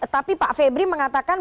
tapi pak febri mengatakan